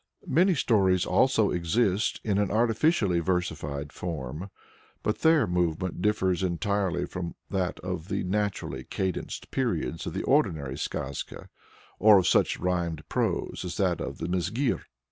Many stories also exist in an artificially versified form, but their movement differs entirely from that of the naturally cadenced periods of the ordinary Skazka, or of such rhymed prose as that of "The Mizgir."